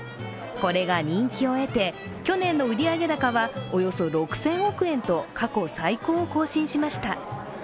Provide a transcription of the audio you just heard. これが人気を得て去年の売上高はおよそ６０００億円と過去最高を更新しました。